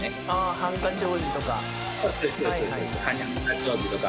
ハンカチ王子とか。